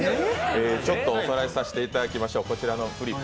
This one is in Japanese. ちょっとおさらいさせていただきましょう。